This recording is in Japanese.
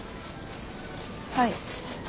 はい。